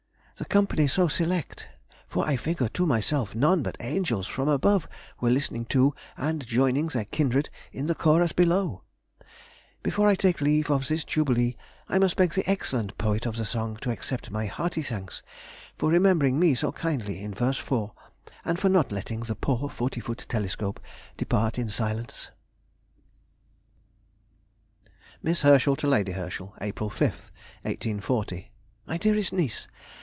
The company so select—for I figure to myself none but angels from above were listening to, and joining their kindred in the chorus below!... Before I take leave of this jubilee I must beg the excellent poet of the song to accept my hearty thanks for remembering me so kindly in verse 4, and for not letting the poor forty foot telescope depart in silence. [Sidenote: 1840. Misfortunes of Friends.] MISS HERSCHEL TO LADY HERSCHEL. April 5, 1840. MY DEAREST NIECE!